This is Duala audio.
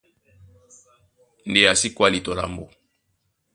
Ndé a sí kwáli tɔ lambo.